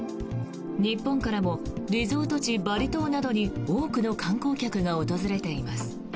日本からもリゾート地バリ島などに多くの観光客が訪れています。